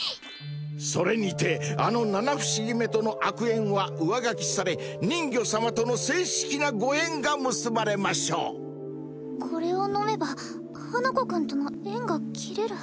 それにてあの七不思議めとの悪縁は上書きされ人魚様との正式なご縁が結ばれましょうこれを飲めば花子くんとの縁が切れる？